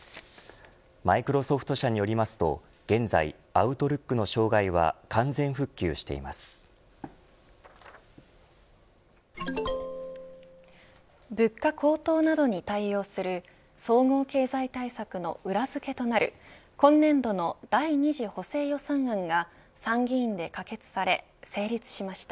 マイクロソフト社によりますと現在アウトルックの障害は物価高騰などに対応する総合経済対策の裏付けとなる今年度の第２次補正予算案が参議院で可決され成立しました。